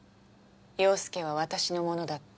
陽佑は私のものだって。